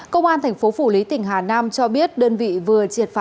công an tp hcm cho biết đơn vị vừa triệt phá